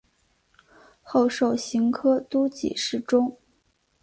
后授刑科都给事中。